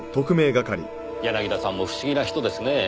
柳田さんも不思議な人ですねぇ。